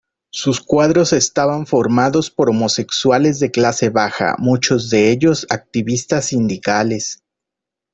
Sus cuadros estaban formados por homosexuales de clase baja, muchos de ellos activistas sindicales.